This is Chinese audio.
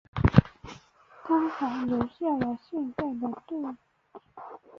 她还留下了现在的住址。